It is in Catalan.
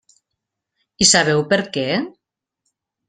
I sabeu per què?